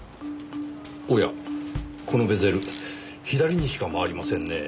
おやこのベゼル左にしか回りませんねぇ。